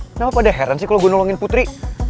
kenapa pada heran sih kalau gue nolongin putri